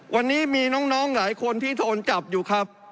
วันนี้มีน้องหลายคนที่โดนจับอยู่ครับ